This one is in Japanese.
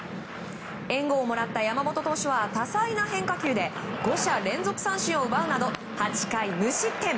援護をもらった山本投手は多彩な変化球で５者連続三振を奪うなど８回無失点。